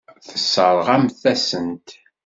Tesseṛɣemt-asen-t.